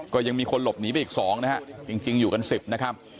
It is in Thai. ก็ยังมีคนหลบหนีไปอีก๒นะฮะจริงอยู่กัน๑๐นะครับ